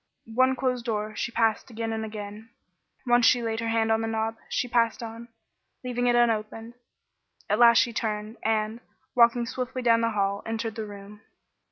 One closed door she passed again and again. Once she laid her hand on the knob, but passed on, leaving it still unopened. At last she turned, and, walking swiftly down the long hall, entered the room.